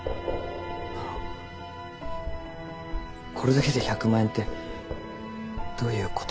あのこれだけで１００万円ってどういうことですか？